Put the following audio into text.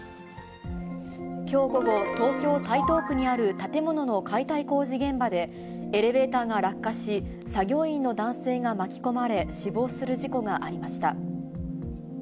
きょう午後、東京・台東区にある建物の解体工事現場で、エレベーターが落下し、作業員の男性が巻き込まれ、死亡する事故がありました。